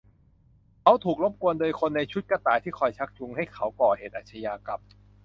เขาถูกรบกวนโดยคนในชุดกระต่ายที่คอยชักจูงให้เขาก่อเหตุอาชญากรรม